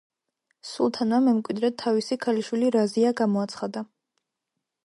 სულთანმა მემკვიდრედ თავისი ქალიშვილი რაზია გამოაცხადა.